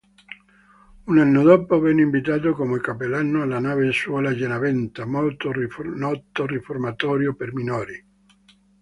Un anno dopo venne inviato come cappellano alla nave-scuola Garaventa, noto riformatorio per minori.